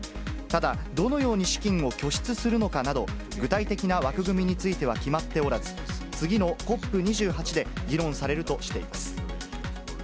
ただ、どのような資金を拠出するのかなど、具体的な枠組みについては決まっておらず、次のＣＯＰ２８で、議論されるとしています。